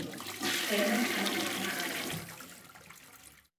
Kellner stammte aus einer Arbeiterfamilie.